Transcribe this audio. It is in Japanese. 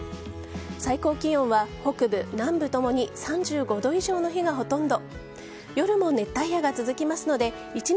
最高気温は北部、南部ともに３５度以上の日がほとんど。